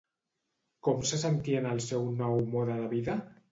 Com se sentia en el seu nou mode de vida?